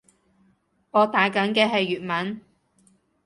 我打緊嘅係粵文